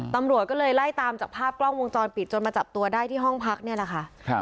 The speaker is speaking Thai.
ตำรวจก็เลยไล่ตามจากภาพกล้องวงจรปิดจนมาจับตัวได้ที่ห้องพักนี่แหละค่ะ